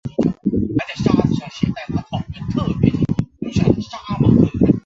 展览会的组织者是德意志展览股份公司。